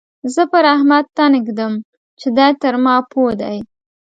زه پر احمد تن اېږدم چې دی تر ما پوه دی.